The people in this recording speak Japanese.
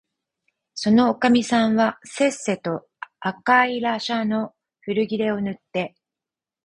そのおかみさんはせっせと赤いらしゃの古切れをぬって、